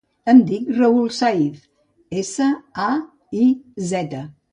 Em dic Raül Saiz: essa, a, i, zeta.